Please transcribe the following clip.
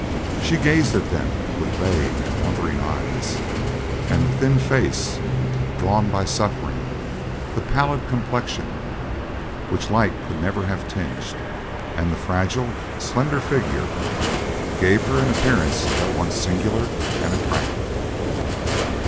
She gazed at them with vague and wondering eyes; and the thin face, drawn by suffering, the pallid complexion, which light could never have tinged, and the fragile, slender figure, gave her an appearance at once singular and attractive.